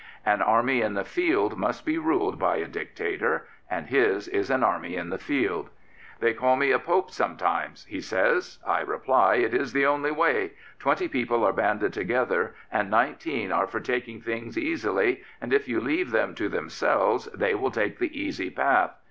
An army in the field must be ruled by a dictator, and his is an army in the field. " They call me a Pope sometimes," he says. " I reply it is the only way. Twenty people are banded together, and nineteen are for taking things easily, and if you leave them to themselves they will take the easy path.